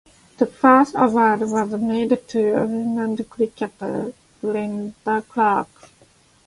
The first award was made to a women's cricketer, Belinda Clark.